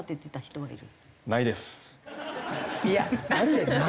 いやあるじゃない。